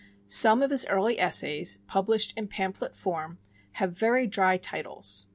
Some of his early essays, published in pamphlet form, have very dry titles.